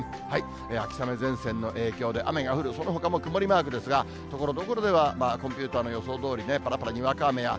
秋雨前線の影響で雨が降る、そのほかも曇りマークですが、ところどころでは、コンピューターの予想どおりね、ぱらぱらにわか雨や、